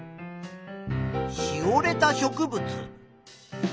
しおれた植物。